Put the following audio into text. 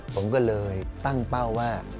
ผมก็เลยตั้งเป้าว่า